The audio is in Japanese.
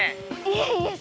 いえいえ